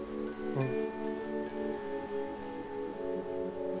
うん。